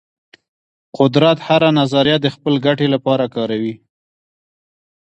قدرت هره نظریه د خپل ګټې لپاره کاروي.